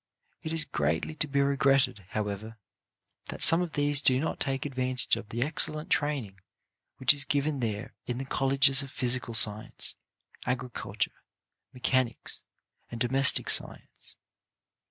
It is greatly to be re gretted, however, that some of these do not take advantage of the excellent training which is given there in the colleges of physical science, agri culture, mechanics and domestic science.